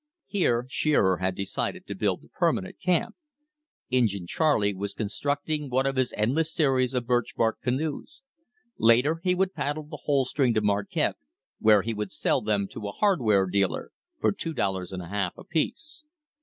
Here Shearer had decided to build the permanent camp. Injin Charley was constructing one of his endless series of birch bark canoes. Later he would paddle the whole string to Marquette, where he would sell them to a hardware dealer for two dollars and a half apiece.